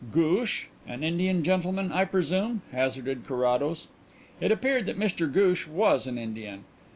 "Ghoosh? An Indian gentleman, I presume?" hazarded Carrados. It appeared that Mr Ghoosh was an Indian.